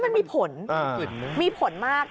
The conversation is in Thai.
มันมีผลมีผลมาก